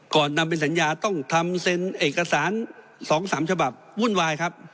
ก่อนนำเป็นสัญญาต้องทำเซ็นเอกสาร๒๓ฉบับวุ่นวายครับ